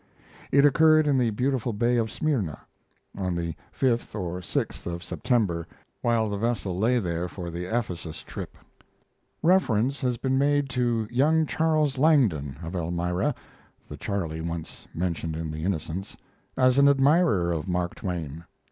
It occurred in the beautiful Bay of Smyrna, on the fifth or sixth of September, while the vessel lay there for the Ephesus trip. Reference has been made to young Charles Langdon, of Elmira (the "Charley" once mentioned in the Innocents), as an admirer of Mark Twain.